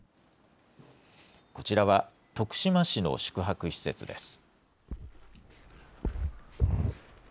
こちらは、徳島市の宿泊施設です。